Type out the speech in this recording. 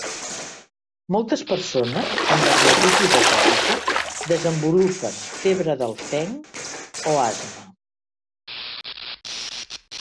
Moltes persones amb dermatitis atòpica desenvolupen febre del fenc o asma.